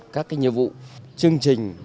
các nhiệm vụ chương trình